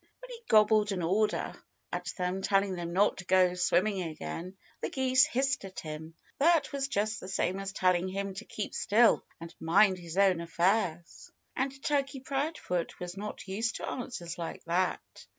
When he gobbled an order at them, telling them not to go swimming again, the geese hissed at him. That was just the same as telling him to keep still and mind his own affairs. And Turkey Proudfoot was not used to answers like that.